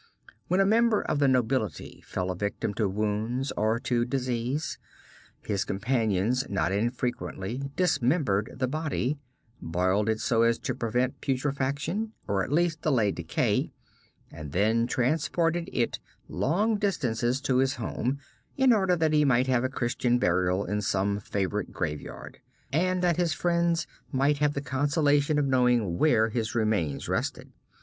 When a member of the nobility fell a victim to wounds or to disease, his companions not infrequently dismembered the body, boiled it so as to prevent putrefaction, or at least delay decay, and then transported it long distances to his home, in order that he might have Christian burial in some favorite graveyard, and that his friends might have the consolation of knowing where his remains rested.